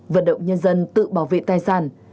vận động nhân dân tự bảo vệ tài sản